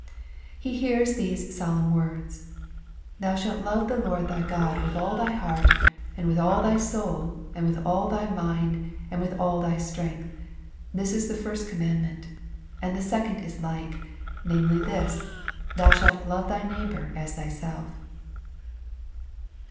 He hears these Bolemn words :" Thou shalt love the Lord thy God with all thy heart, and with all thy soul, and with all thy mind, and with all thy strength : this is the first command ment. And the second is like, namely this, thou shalt love thy neighbor as. thyself."